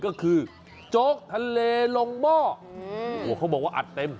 ก็คือโจ๊กทะเลลงหม้อโอ้โหเขาบอกว่าอัดเต็ม